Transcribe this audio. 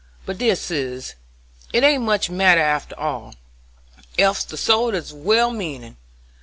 But, dear suz, it ain't much matter after all, ef the souls is well meanin'.